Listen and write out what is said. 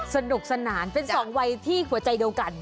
สนุกสนานเป็นสองวัยที่หัวใจเดียวกัน